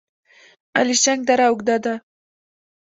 الیشنګ دره اوږده ده؟